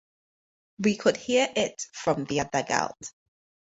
We could hear it from their dugout.